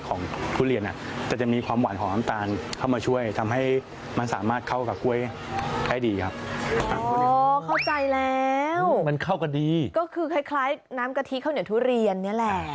ก็คือคล้ายน้ำกะทิข้าวเหนียวทุเรียนเนี่ยแหละ